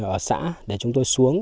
ở xã để chúng tôi xuống